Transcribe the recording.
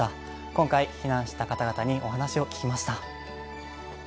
今回、避難した方々にお話を聞きました。